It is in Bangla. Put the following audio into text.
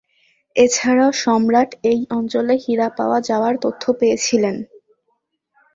এছাড়াও সম্রাট এই অঞ্চলে হীরা পাওয়া যাওয়ার তথ্যও পেয়েছিলেন।